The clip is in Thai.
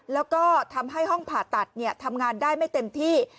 แล้วก็ทำให้ห้องผ่าตัดทำงานได้ไม่เต็มที่